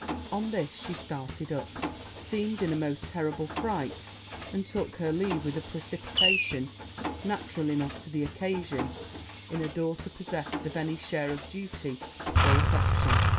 On this she started up, seemed in a most terrible fright, and took her leave with a precipitation natural enough to the occasion, in a daughter possessed of any share of duty or affection.